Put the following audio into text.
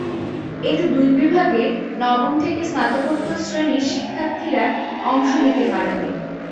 এতে দুই বিভাগে নবম থেকে স্নাতকোত্তর শ্রেণির শিক্ষার্থীরা অংশ নিতে পারবে।